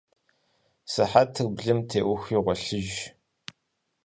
Сыхьэтыр блым теухуи гъуэлъыж.